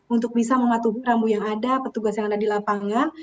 untuk bisa mematuhi rambu yang ada petugas yang ada di lapangan